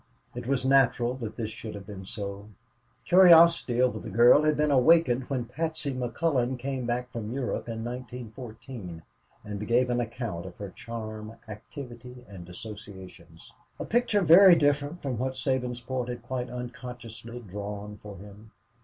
It was natural that this should have been so. Curiosity over the girl had been awakened when Patsy McCullon came back from Europe in 1914 and gave an account of her charm, activity and associations a picture very different from what Sabinsport had quite unconsciously drawn for him.